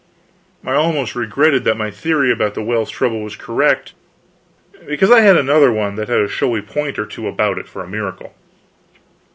I almost regretted that my theory about the well's trouble was correct, because I had another one that had a showy point or two about it for a miracle.